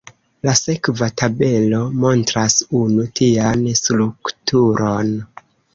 La sekva tabelo montras unu tian strukturon.